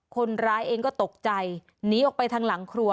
คนร้ายเองก็ตกใจหนีออกไปทางหลังครัว